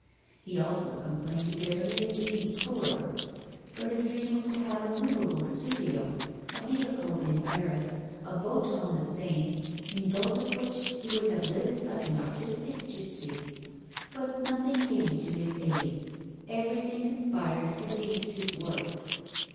He also complained bitterly of being poor; for his dream was to have a movable studio, a vehicle in Paris, a boat on the Seine, in both of which he would have lived like an artistic gipsy. But nothing came to his aid, everything conspired against his work.